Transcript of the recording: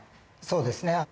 そうですね。